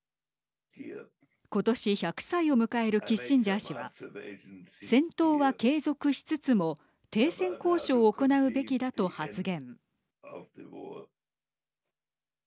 今年１００歳を迎えるキッシンジャー氏は戦闘は継続しつつも停戦交渉を行うべきだと発言。